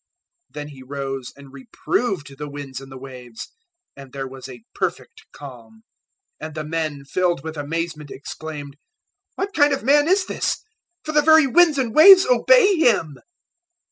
Then He rose and reproved the winds and the waves, and there was a perfect calm; 008:027 and the men, filled with amazement, exclaimed, "What kind of man is this? for the very winds and waves obey him!"